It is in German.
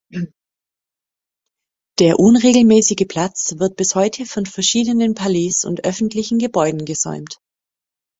Der unregelmäßige Platz wird bis heute von verschiedenen Palais und öffentlichen Gebäuden gesäumt.